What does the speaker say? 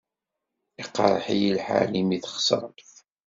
Iqeṛṛeḥ-iyi lḥal imi txeṣṛemt.